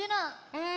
うん！